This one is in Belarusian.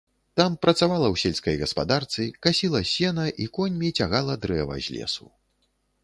Там працавала ў сельскай гаспадарцы, касіла сена і коньмі цягала дрэва з лесу.